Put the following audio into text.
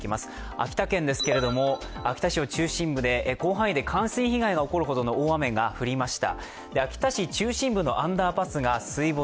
秋田県ですけれども、秋田市の中心部で広範囲が水没するほどの被害がありました。